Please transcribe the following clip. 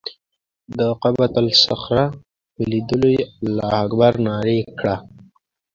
د قبة الصخره په لیدو یې الله اکبر نارې کړه.